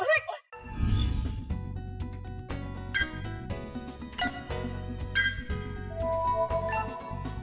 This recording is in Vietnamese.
ôi ôi ôi ôi